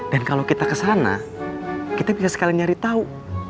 dan kalau kita kesana kita bisa sekali nyari tau